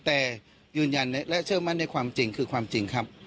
แต่ยืนยันและเชื่อมั่นในความจริงคือความจริงครับ